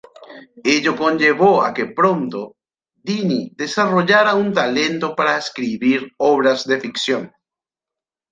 Ello conllevó a que pronto, Dini desarrollara un talento para escribir obras de ficción.